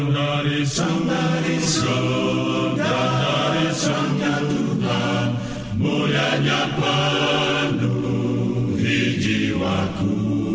perang dari surga rancangnya tuhan mulianya penuhi jiwaku